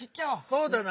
そうだな。